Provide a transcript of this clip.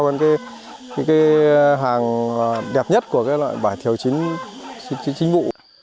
thì hiện tại nó vẫn cao hơn hàng đẹp nhất của loại vải thiều chính vụ